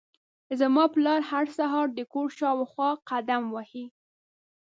زما پلار هر سهار د کور شاوخوا قدم وهي.